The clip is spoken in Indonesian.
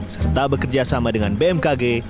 serta bekerjasama dengan bmkg